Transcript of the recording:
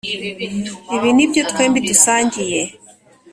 ibi nibyo twembi dusangiye